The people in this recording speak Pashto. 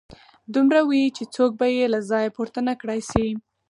دومره وي چې څوک به يې له ځايه پورته نه کړای شي.